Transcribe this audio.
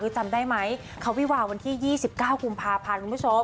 จำได้ไหมเขาวิวาวันที่๒๙กุมภาพันธ์คุณผู้ชม